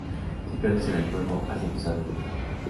Si pierdes en el juego, has de empezar de nuevo.